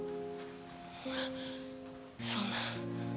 そんな。